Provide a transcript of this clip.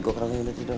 hampir aja kita ketik